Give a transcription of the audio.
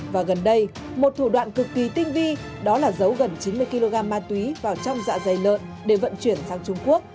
và gần đây một thủ đoạn cực kỳ tinh vi đó là giấu gần chín mươi kg ma túy vào trong dạ dày lợn để vận chuyển sang trung quốc